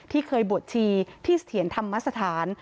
ที่เคยบวชชีที่เสถียรธรรมสถาน